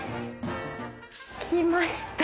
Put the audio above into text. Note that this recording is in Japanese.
来ました！